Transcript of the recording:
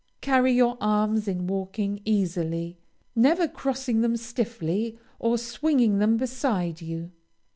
Carry your arms, in walking, easily; never crossing them stiffly or swinging them beside you.